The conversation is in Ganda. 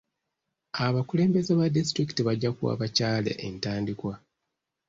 Abakulembeze ba disitulikiti bajja kuwa abakyala entandikwa.